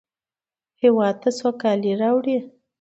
هېواد ته سوکالي راوړئ